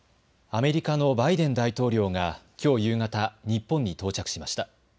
アメリカのバイデン大統領がきょう夕方、日本に到着しました。